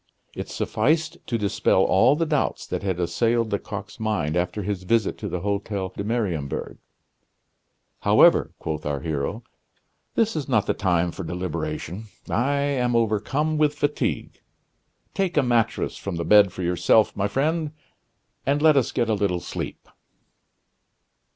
It sufficed to dispel all the doubts that had assailed Lecoq's mind after his visit to the Hotel de Mariembourg. "However," quoth our hero, "this is not the time for deliberation. I am overcome with fatigue; take a mattress from the bed for yourself, my friend, and let us get a little sleep."